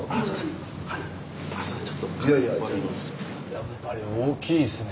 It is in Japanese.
やっぱり大きいっすね。